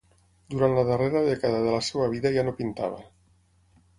Durant la darrera dècada de la seva vida ja no pintava.